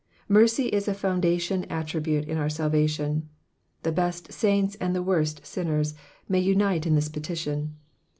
Mercy is a foundation attribute in our salvation. The best saints and the worst sinners may unite in this petition.